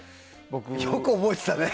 よく覚えてたね